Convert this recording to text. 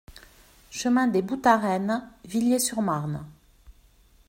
Chemin des Boutareines, Villiers-sur-Marne